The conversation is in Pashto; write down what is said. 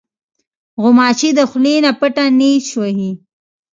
غوماشې د خولې نه پټه نیش وهي.